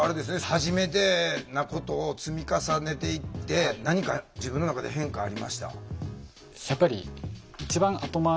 はじめてなことを積み重ねていって何か自分の中で変化ありました？